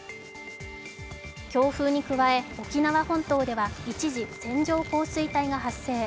強風に加え、沖縄本島では一時、線状降水帯が発生。